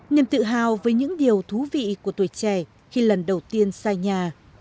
niềm tự hào với những điều thú vị của tuổi trẻ khi lần đầu tiên xa nhà